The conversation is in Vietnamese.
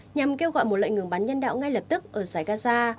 nhằm kêu gọi một lệnh ngừng bắn nhân đạo ngay lập tức ở giải gaza